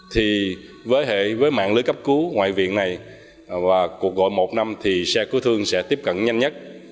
thì với mạng lưới cấp cứu ngoại viện này và cuộc gọi một năm thì xe cứu thương sẽ tiếp cận nhanh nhất